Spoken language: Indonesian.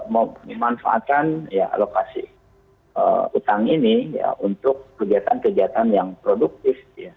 memanfaatkan alokasi utang ini untuk kegiatan kegiatan yang produktif